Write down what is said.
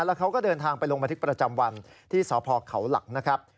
แล้วเขาก็เดินทางไปลงบันทึกประจำวันที่สพเขาหลักนะครับ